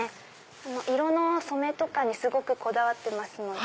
色の染めとかにすごくこだわってますので。